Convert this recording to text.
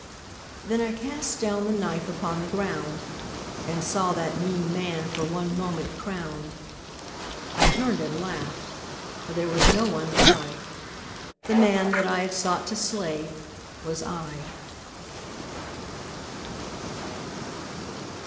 Then I cast down the knife upon the ground And saw that mean man for one moment crowned. I turned and laughed: for there was no one by The man that I had sought to slay was I.